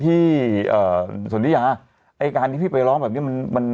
ที่เอ่อสนทิยาไอ้การที่พี่ไปร้องแบบนี้มันมัน